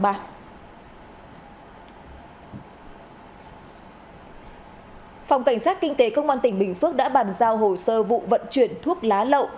phòng cảnh sát kinh tế công an tỉnh bình phước đã bàn giao hồ sơ vụ vận chuyển thuốc lá lậu